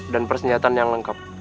dan persenjataan yang lengkap